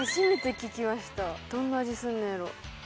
どんな味すんねやろ？